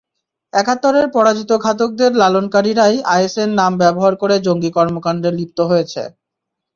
একাত্তরের পরাজিত ঘাতকদের লালনকারীরাই আইএসের নাম ব্যবহার করে জঙ্গি কর্মকাণ্ডে লিপ্ত হয়েছে।